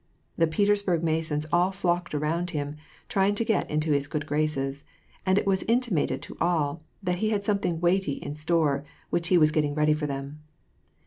The Petersburg Masons all flocked around him, trying to get into his good graces ; and it was intimated to all, that he had something weighty in store, which he was getting ready for them.